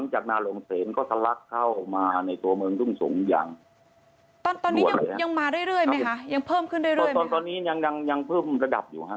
หรือตอนนี้ยังเพิ่มระดับอยู่